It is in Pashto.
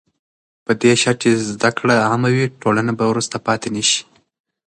په دې شرط چې زده کړه عامه وي، ټولنه به وروسته پاتې نه شي.